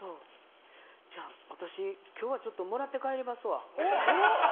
じゃあ、私今日はちょっともらって帰りますわ。